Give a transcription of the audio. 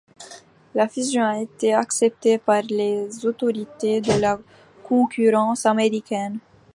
La fusion a été acceptée par les autorités de la concurrence américaine.